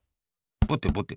ぼてぼて。